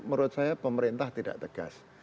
menurut saya pemerintah tidak tegas